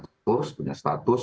terus punya status